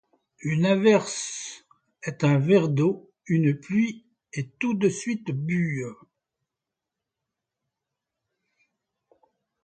Une averse est un verre d’eau ; une pluie est tout de suite bue.